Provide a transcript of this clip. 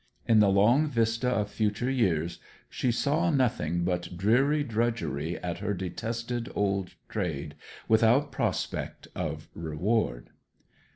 In the long vista of future years she saw nothing but dreary drudgery at her detested old trade without prospect of reward.